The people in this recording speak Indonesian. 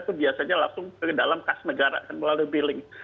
itu biasanya langsung ke dalam kas negara kan melalui billing